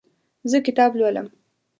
زه کتاب لولم.